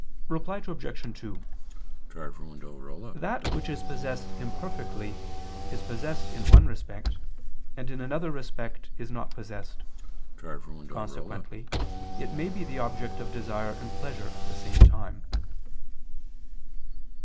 Reply Obj. 2: That which is possessed imperfectly, is possessed in one respect, and in another respect is not possessed. Consequently it may be the object of desire and pleasure at the same time.